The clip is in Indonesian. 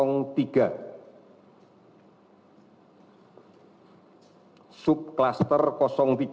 ini juga tracing dari subcluster pasienilimers satu tiga